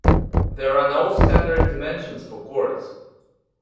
There are no "standard dimensions" for courts.